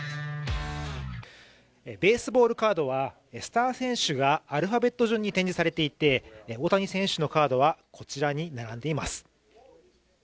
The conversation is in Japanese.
ベースボールカードはスター選手がアルファベット順に展示されていて大谷選手のカードはこちらに並んでいます。